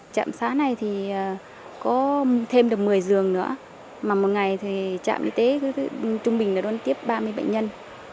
trạm xá này có thêm được một mươi rừng nữa mà một ngày trạm y tế trung bình đón tiếp ba mươi bệnh nhân